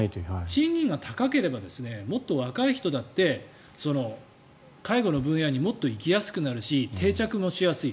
賃金が高ければもっと若い人だって介護の分野にもっと行きやすくなるし定着もしやすい。